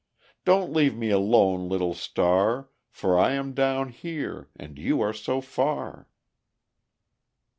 Don't leave me alone, little star! For I am down here, and you are so far."